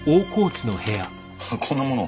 こんなもの